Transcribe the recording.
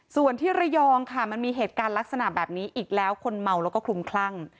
ส่วนที่ระยองค่ะมันมีเหตุการณ์ลักษณะแบบนี้อีกแล้วคนเมาแล้วก็คลุมคลั่ง